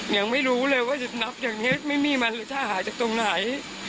ยังไม่รู้เลยว่าสิบนับอย่างนี้ไม่มีนาฬิชาหาจากตรงไหน